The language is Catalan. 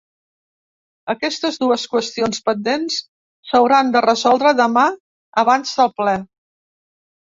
Aquestes dues qüestions pendents s’hauran de resoldre demà abans del ple.